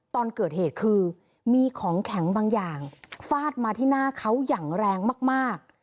ตอนเกิดเหตุคือมีของแข็งบางอย่างฟาดมาที่หน้าเขาอย่างแรงมาก